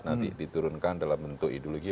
nanti diturunkan dalam bentuk ideologi